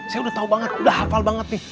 saya udah tau banget udah hafal banget nih